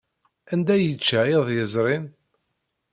Anda ay yečča iḍ yezrin?